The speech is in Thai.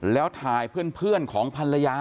แล้วถ่ายเพื่อนของภรรยา